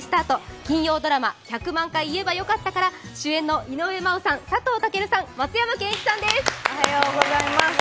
金曜ドラマ「１００万回言えばよかった」から主演の井上真央さん、佐藤健さん、松山ケンイチさんです。